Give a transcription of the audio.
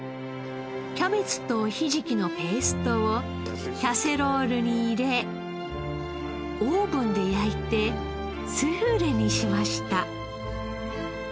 キャベツとヒジキのペーストをキャセロールに入れオーブンで焼いてスフレにしました。